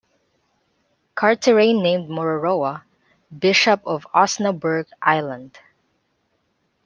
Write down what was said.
Carteret named Mururoa "Bishop of Osnaburgh Island".